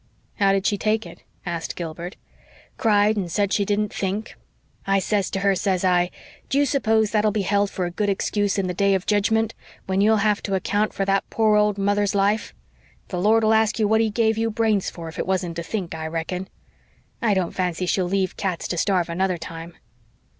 "How did she take it?" asked Gilbert. "Cried and said she 'didn't think.' I says to her, says I, 'Do you s'pose that'll be held for a good excuse in the day of Jedgment, when you'll have to account for that poor old mother's life? The Lord'll ask you what He give you your brains for if it wasn't to think, I reckon.' I don't fancy she'll leave cats to starve another time."